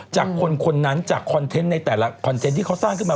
จากคนนั้นจากคอนเทนต์ในแต่ละคอนเทนต์ที่เขาสร้างขึ้นมา